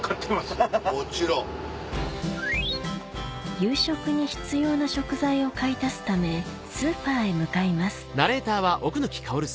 夕食に必要な食材を買い足すためスーパーへ向かいます